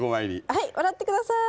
はい笑って下さい。